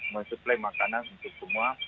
mensuplai makanan untuk semua